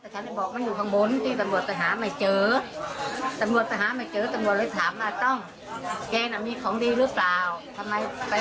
หาสองครั้งนะคะแต่ไม่เจอเจอก็ลูกชายน่ะเห็นตำรวจอยู่